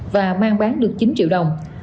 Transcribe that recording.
và mang bán được chín triệu đồng